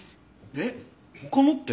えっ？他のって？